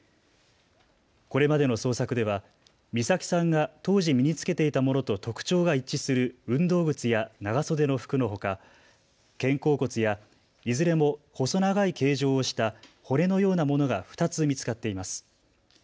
これまでの捜索では美咲さんが当時、身に着けていたものと特徴が一致する運動靴や長袖の服のほか、肩甲骨や、いずれも細長い形状をした骨のようなものが２つ見つかっています。